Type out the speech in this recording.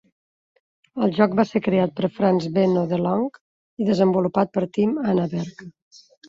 El joc va ser creat per Franz-Benno Delonge i desenvolupat per Team Annaberg.